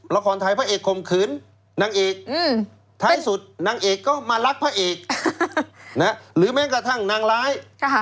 ละครไทยพระเอกคมขืนนางเอกท้ายสุดนางเอกก็มารักพระเอกหรือแม้กระทั่งนางร้าย